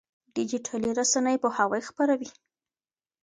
ډيجيټلي رسنۍ پوهاوی خپروي.